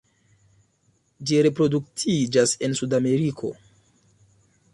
Ĝi reproduktiĝas en Sudameriko.